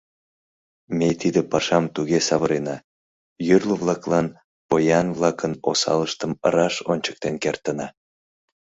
Ме тиде пашам туге савырена: йорло-влаклан поян-влакын осалыштым раш ончыктен кертына.